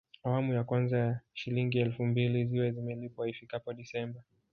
Awamu ya kwanza ya Shilingi elfu mbili ziwe zimelipwa ifikapo Disemba